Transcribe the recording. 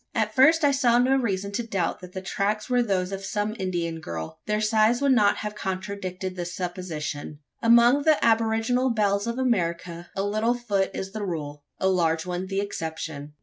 At first, I saw no reason to doubt that the tracks were those of some Indian girl. Their size would not have contradicted the supposition. Among the aboriginal belles of America, a little foot is the rule a large one the exception.